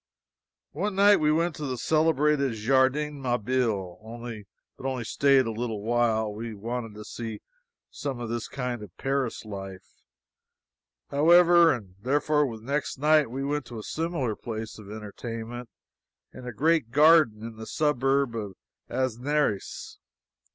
One night we went to the celebrated Jardin Mabille, but only staid a little while. We wanted to see some of this kind of Paris life, however, and therefore the next night we went to a similar place of entertainment in a great garden in the suburb of Asnieres.